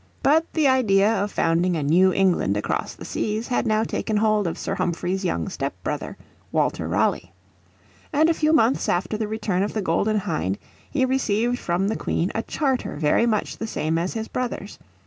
But the idea of founding a New England across the seas had now taken hold of Sir Humphrey's young step brother, Walter Raleigh. And a few months after the return of the Golden Hind he received from the Queen a charter very much the same as his brother's.